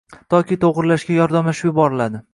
yoki to‘g‘irlashga yordamlashib yuboriladi.